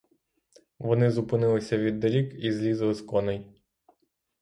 Вони зупинилися віддалік і злізли з коней.